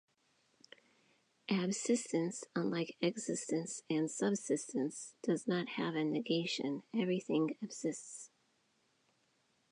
Absistence, unlike existence and subsistence, does not have a negation; everything absists.